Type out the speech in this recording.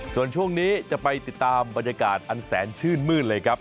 ส่วนช่วงนี้จะไปติดตามบรรยากาศอันแสนชื่นมืดเลยครับ